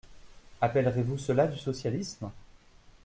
Appellerez-vous cela du socialisme ?